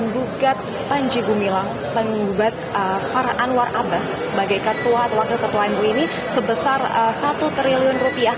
gugat panji gumilang penggugat para anwar abbas sebagai ketua atau wakil ketua mui ini sebesar satu triliun rupiah